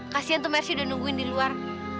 kasian tuh mercy udah nungguin di luar